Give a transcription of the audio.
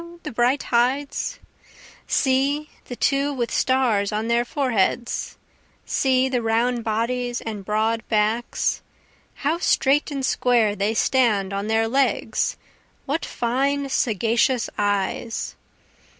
the bright hides, See, the two with stars on their foreheads see, the round bodies and broad backs, How straight and square they stand on their legs what fine sagacious eyes!